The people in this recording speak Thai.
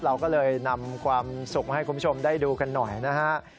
เราก็เลยนำความสุขมาให้คุณผู้ชมได้ดูกันหน่อยนะฮะ